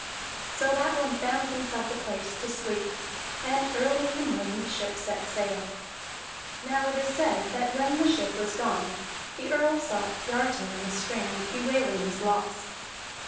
So that one found himself a place to sleep, and early in the morning the ship set sail. Now it is said that when the ship was gone the Earl saw Kiartan on the strand bewailing his loss.